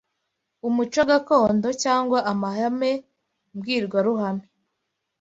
umuco gakondo cyangwa amahame mbwirwaruhame